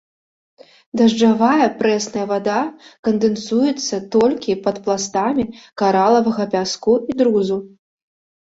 Дажджавая прэсная вада кандэнсуецца толькі пад пластамі каралавага пяску і друзу.